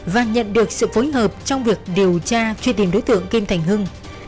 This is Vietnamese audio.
và nhận được sự phối hợp trong việc điều tra truy tìm đối tượng kim thành hưng